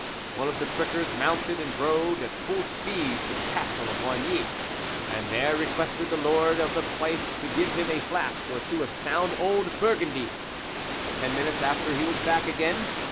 One of the prickers mounted and rode at full speed to the castle of Oigny, and there re quested the lord of the place to give him a flask or two of sound old Burgundy; ten minutes after he was back again.